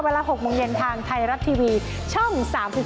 เวลา๖โมงเย็นทางไทยรัฐทีวีช่อง๓๒